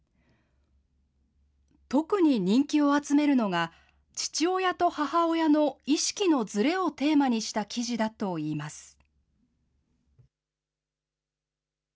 特に人気を集めるのが、父親と母親の意識のずれをテーマにした記事だといいます。